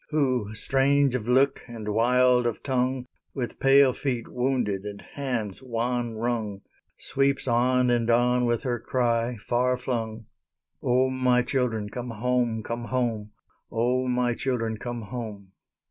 Who, strange of look, and wild of tongue, With pale feet wounded and hands wan wrung, Sweeps on and on with her cry, far flung, "O, my children, come home, come home! O, my children, come home!"